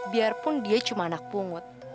biarpun dia cuma anak pungut